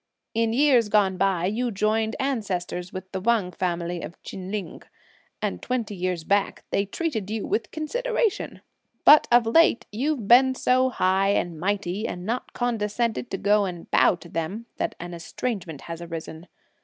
In years gone by, you joined ancestors with the Wang family of Chin Ling, and twenty years back, they treated you with consideration; but of late, you've been so high and mighty, and not condescended to go and bow to them, that an estrangement has arisen.